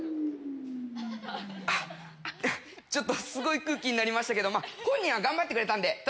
ちょっとすごい空気になりましたけど本人は頑張ってくれたんで。